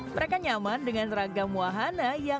mereka nyaman dengan ragam wahana